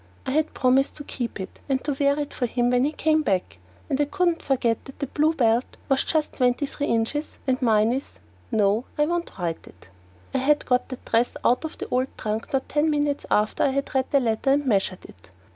I had promised to keep it and wear it for him when he came back and I couldn't forget that the blue belt was just twenty three inches and mine is no, I won't write it. I had got that dress out of the old trunk not ten minutes after I had read the letter and measured it.